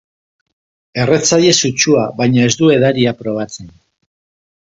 Erretzaile sutsua, baina ez du edaria probatzen.